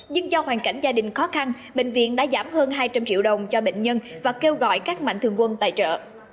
nhưng do hoàn cảnh gia đình khó khăn bệnh viện đã giảm hơn hai trăm linh triệu đồng cho bệnh nhân và kêu gọi các mạnh thường quân tài trợ